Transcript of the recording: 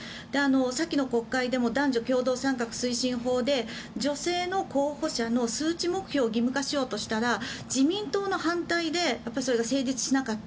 先の国会でも男女共同参画推進法で女性の候補者の数値目標を自民党の反対でそれが成立しなかった。